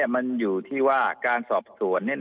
มันอยู่ที่ว่าการสอบสวน